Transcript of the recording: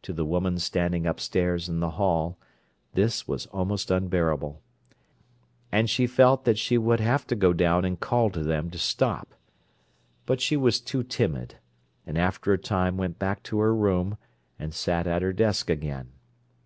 To the woman standing upstairs in the hall, this was almost unbearable; and she felt that she would have to go down and call to them to stop; but she was too timid, and after a time went back to her room, and sat at her desk again.